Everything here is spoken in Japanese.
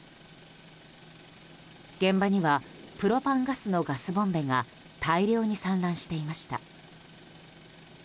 現場にはプロパンガスのガスボンベが大量に散乱していました。